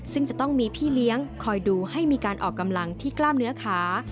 ซึ่งจะต้องมีพี่เลี้ยงคอยดูให้มีการออกกำลังที่กล้ามเนื้อขา